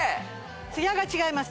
ツヤが違います